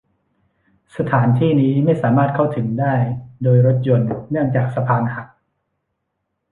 สถานที่นี้ไม่สามารถเข้าถึงได้โดยรถยนต์เนื่องจากสะพานหัก